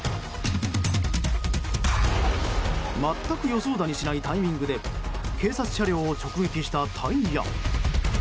全く予想だにしないタイミングで警察車両を直撃したタイヤ。